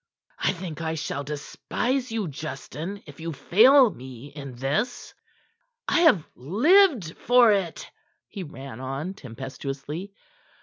"I think I shall despise you, Justin, if you fail me in this. I have lived for it," he ran on tempestuously.